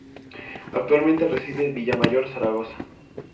Actualmente reside en Villamayor, Zaragoza.